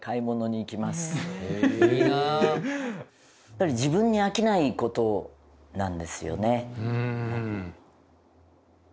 やっぱり自分に飽きない事なんですよね。